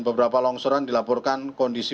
beberapa longsoran dilaporkan kondisi